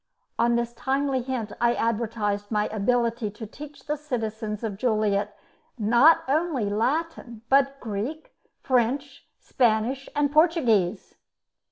On this timely hint I advertised my ability to teach the citizens of Joliet not only Latin, but Greek, French, Spanish, and Portuguese.